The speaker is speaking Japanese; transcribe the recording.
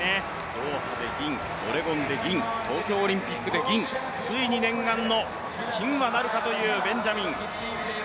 ドーハで銀、オレゴンで銀、東京オリンピックで銀、ついに念願の金はなるかというベンジャミン。